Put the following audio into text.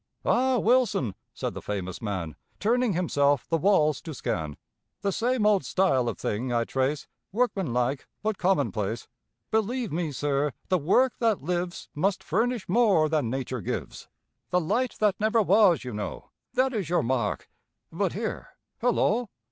"Ah, Wilson," said the famous man, Turning himself the walls to scan, "The same old style of thing I trace, Workmanlike but commonplace. Believe me, sir, the work that lives Must furnish more than Nature gives. 'The light that never was,' you know, That is your mark but here, hullo!